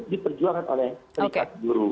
diperjuangkan oleh serikat buru